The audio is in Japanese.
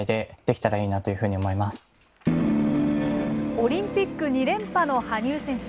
オリンピック２連覇の羽生選手。